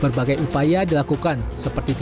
berbagai upaya dilakukan seperti